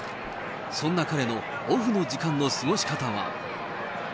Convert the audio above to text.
そんな彼のオフの時間の過ごし方は。